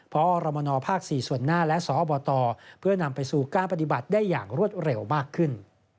พอรมนภ๔ส่วนหน้าและสอบตเพื่อนำไปสู่การปฏิบัติได้อย่างรวดเร็วมากขึ้น